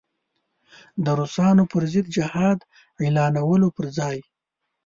د روسانو پر ضد جهاد اعلانولو پر ځای.